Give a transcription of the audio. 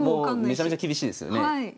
めちゃめちゃ厳しいですよね。